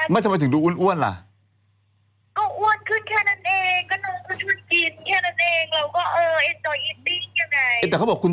ไม่ได้ท้องไม่ได้ท้องนี่เพิ่งคบกัน